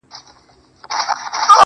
غوږ سه ورته.